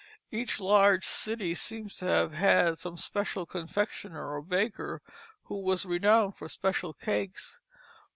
Each large city seems to have had some special confectioner or baker who was renowned for special cakes.